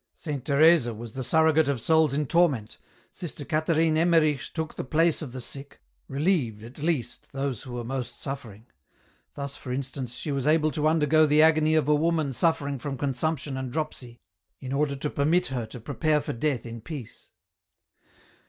Saint Teresa was the surrogate of souls in torment, Sister Catherine Emmerich took the place of the sick, relieved, at least, those who were most suffering ; thus, for instance, she was able to undergo the agony of a woman suffering from consumption and dropsy, in order to permit her to prepare for death in peace.